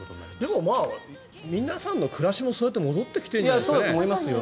でも、皆さんの暮らしもそうやって戻ってきてるんじゃないですかね。